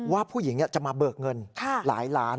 ว่าผู้หญิงจะมาเบิกเงินหลายล้าน